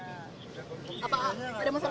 apa demonstrasi ini sudah dilakukan dilanjut pak